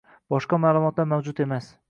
Boshqa ma`lumotlar mavjud emas